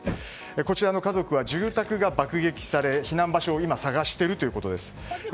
こちらの家族は住宅が爆撃され避難場所を今、探しているというこということです。